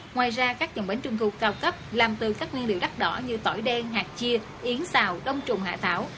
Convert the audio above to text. ngoài ra các dòng bánh trung thu cao cấp làm từ các nguyên liệu đắt đỏ như tỏi đen hạt chia yến xào đông trùng hạ thảo